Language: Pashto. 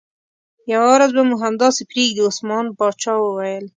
یوه ورځ به مو همداسې پرېږدي، عثمان باچا وویل.